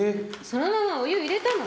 そのままお湯入れたの。